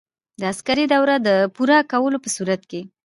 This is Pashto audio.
د عسکري دورې د پوره کولو په صورت کې.